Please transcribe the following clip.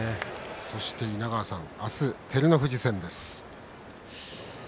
そして稲川さん明日は照ノ富士戦です。